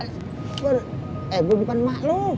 eh gue bukan emak lo